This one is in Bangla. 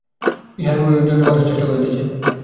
ইহার জন্যই মানুষ চেষ্টা করিতেছে।